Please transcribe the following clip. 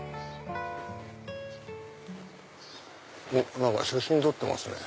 何か写真撮ってますね。